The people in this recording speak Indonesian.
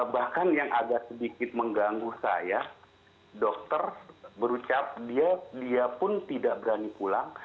bahkan yang agak sedikit mengganggu saya dokter berucap dia pun tidak berani pulang